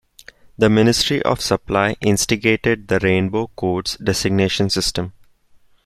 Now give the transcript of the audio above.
The Ministry of Supply instigated the Rainbow Codes designation system.